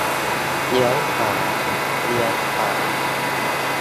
เลี้ยวขวา เลี้ยวขวา